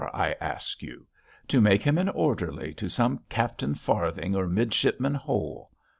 I ask you. To make him an orderly to some Captain Farthing or Midshipman Hole!